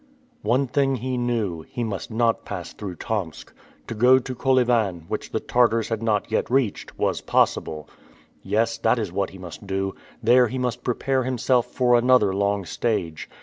One thing he knew; he must not pass through Tomsk. To go to Kolyvan, which the Tartars had not yet reached, was possible. Yes, that is what he must do; there he must prepare himself for another long stage.